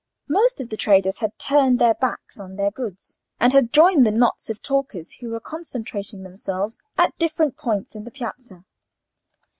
Most of the traders had turned their backs on their goods, and had joined the knots of talkers who were concentrating themselves at different points in the piazza.